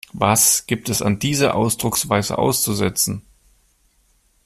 Was gibt es an dieser Ausdrucksweise auszusetzen?